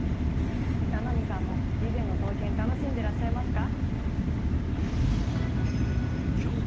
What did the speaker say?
七海さんも備前の刀剣楽しんでらっしゃいますか？